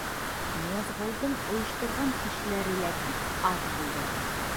Ныязғолдоң ойошторған кешеләре лә бик аҙ булды шул.